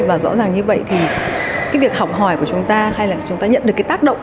và rõ ràng như vậy thì cái việc học hỏi của chúng ta hay là chúng ta nhận được cái tác động